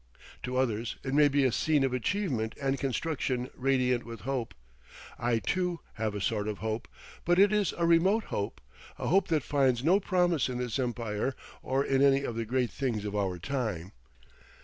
To others it may be a scene of achievement and construction radiant with hope. I, too, have a sort of hope, but it is a remote hope, a hope that finds no promise in this Empire or in any of the great things of our time.